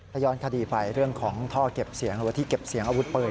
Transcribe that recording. ถ้าย้อนคดีไปเรื่องของท่อเก็บเสียงหรือว่าที่เก็บเสียงอาวุธปืน